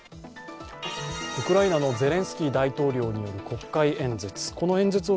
ウクライナのゼレンスキー大統領による国会演説。